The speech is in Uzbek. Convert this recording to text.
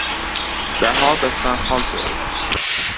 Daho otasidan hol so‘radi: